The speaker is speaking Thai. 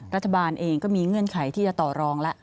รัฐบาลเองก็มีเงื่อนไขที่จะต่อรองแล้ว